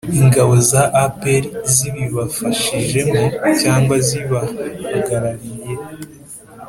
ingabo za apr zibibafashijemo cyangwa zibahagarariye.